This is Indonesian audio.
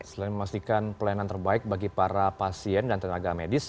selain memastikan pelayanan terbaik bagi para pasien dan tenaga medis